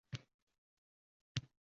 Pavlovning hayot shami abadul-abadga so‘ndi